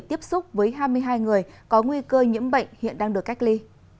tiếp xúc với hai mươi hai người có nguy cơ nhiễm bệnh hiện đang được cách ly